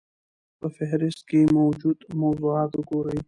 په فهرست کې موجود موضوعات وګورئ.